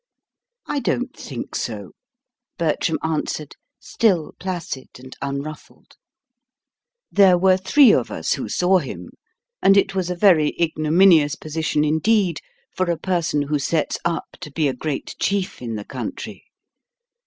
"I don't think so," Bertram answered, still placid and unruffled. "There were three of us who saw him; and it was a very ignominious position indeed for a person who sets up to be a great chief in the country.